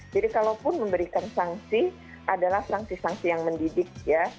jadi kalau pun memberikan sanksi adalah sanksi sanksi yang mendidik ya